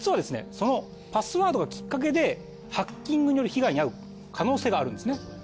そのパスワードがきっかけでハッキングによる被害に遭う可能性があるんですね。